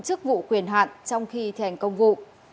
chức vụ quyền hạn trong khi thi hành công vụ